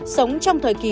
sống trong thời kỳ ba